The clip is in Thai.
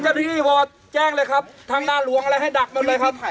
ที่พอแจ้งเลยครับทางหน้าหลวงอะไรให้ดักหมดเลยครับ